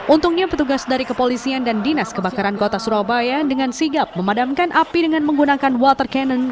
untungnya petugas dari kepolisian dan dinas kebakaran kota surabaya dengan sigap memadamkan api dengan menggunakan water cannon